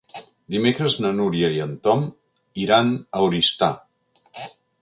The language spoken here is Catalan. Dimecres na Núria i en Tom iran a Oristà.